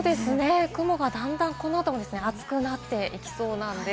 雲がだんだんこの後も厚くなっていきそうなんです。